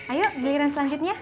ayo giliran selanjutnya